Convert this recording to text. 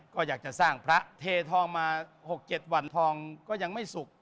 ก็อยากจะสร้างพระเททองมา๖๗วันทองก็ยังไม่สุข